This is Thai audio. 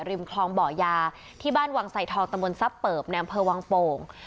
ริมคลองเบาะยาที่บ้านวังสัยทองตะมนตร์ทับเปิบแนมเพอวังโป่ง